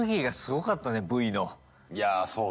いやそうね。